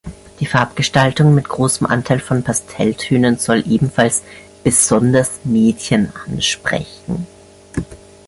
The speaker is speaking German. Die Farbgestaltung mit großem Anteil von Pastelltönen soll ebenfalls besonders Mädchen ansprechen.